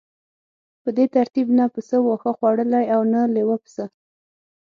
په دې ترتیب نه پسه واښه خوړلی او نه لیوه پسه.